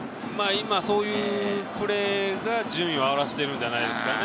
そういうプレーが順位を表しているんじゃないですかね。